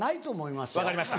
分かりました！